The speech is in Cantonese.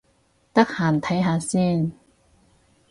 得閒睇下先